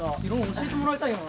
教えてもらいたいよな。